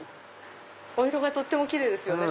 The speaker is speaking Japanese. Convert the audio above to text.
お色がとってもキレイですよね。